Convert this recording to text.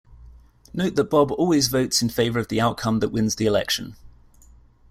Note that Bob always votes in favor of the outcome that wins the election.